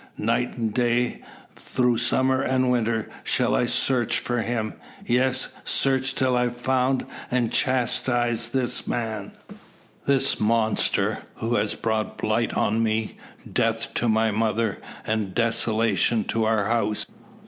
Night and day through summer and winter shall I search for him. Yes; search till I've found and chastised this man, this monster, who has brought blight on me, death to my mother, and desolation to our house!